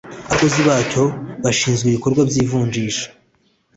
abakozi bacyo bashinzwe ibikorwa by’ivunjisha